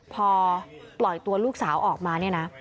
พอปล่อยตัวลูกสาวออกมาเนี่ยนะ